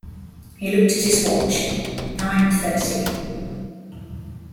He looked at his watch; nine-thirty.